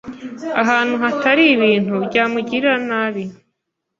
ahantu hatari ibintu byamugirira nabi